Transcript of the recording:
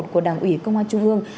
của đảng ủy công an trung ương